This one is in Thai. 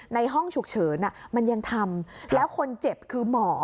ในห้องฉุกเฉินมันยังทำแล้วคนเจ็บคือหมอ